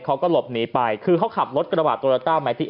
เขาก็หลบหนีไป